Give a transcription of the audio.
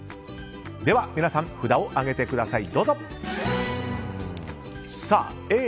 皆さん、札を上げてください。